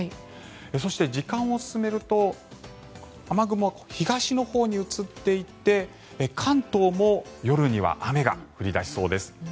そして、時間を進めると雨雲は東のほうに移っていって関東も夜には雨が降り出しそうです。